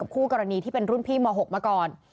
กับผู้กรณีที่เป็นรุ่นพี่มากก่อน